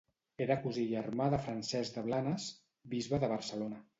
Era cosí germà de Francesc de Blanes, bisbe de Barcelona.